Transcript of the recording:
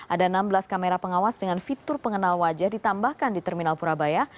ada enam belas kamera pengawas dengan fitur pengenal wajah ditambahkan di terminal purabaya